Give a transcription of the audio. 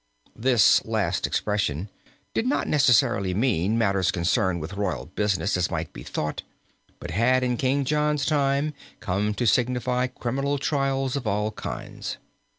This last expression did not necessarily mean matters concerned with royal business as might be thought, but had in King John's time come to signify criminal trials of all kinds.